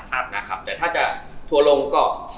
แต่ถ้าจะทัวร์ลงก็